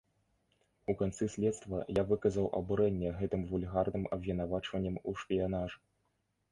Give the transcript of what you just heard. У канцы следства я выказаў абурэнне гэтым вульгарным абвінавачаннем у шпіянажы.